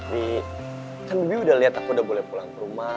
bi kan bibi udah liat aku udah boleh pulang ke rumah